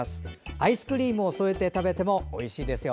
アイスクリームを添えて食べてもおいしいですよ。